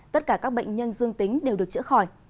tất cả các bệnh nhân dương tính đều được chữa khỏi